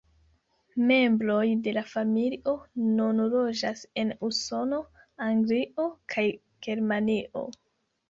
Membroj de la familio nun loĝas en Usono, Anglio kaj Germanio.